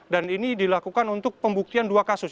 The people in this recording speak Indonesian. dan ini dilakukan untuk pembuktian dua kasus